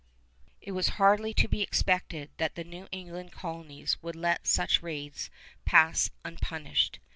It was hardly to be expected that the New England colonies would let such raids pass unpunished.